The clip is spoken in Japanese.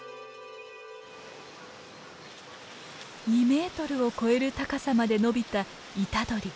２メートルを超える高さまで伸びたイタドリ。